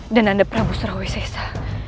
dan anda prabu surawi sesa